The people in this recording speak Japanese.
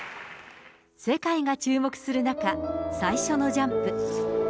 世界が注目する中、最初のジャンプ。